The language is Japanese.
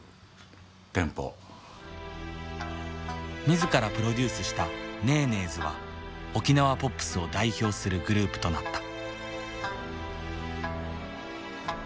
自らプロデュースしたネーネーズは沖縄ポップスを代表するグループとなった。